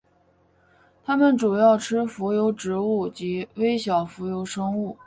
它们主要吃浮游植物及微小浮游生物。